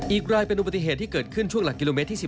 อีกรายเป็นอุบัติเหตุที่เกิดขึ้นช่วงหลักกิโลเมตรที่๑๑